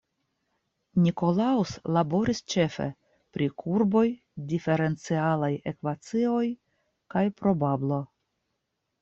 Nicolaus laboris ĉefe pri kurboj, diferencialaj ekvacioj, kaj probablo.